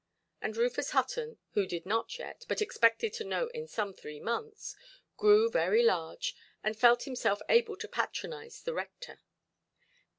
And Rufus Hutton, who did not yet, but expected to know in some three months, grew very large, and felt himself able to patronise the rector.